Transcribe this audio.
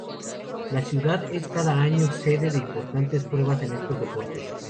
La ciudad es cada año sede de importantes pruebas en estos deportes.